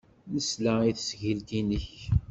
Nesla i tesgilt-nnek.